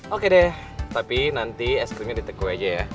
oke deh tapi nanti es krimnya diteku aja ya